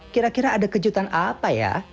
kira kira ada kejutan apa ya